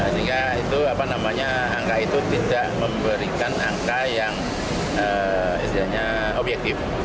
sehingga angka itu tidak memberikan angka yang istilahnya objektif